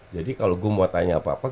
jadi kalau gue mau tanya apa apa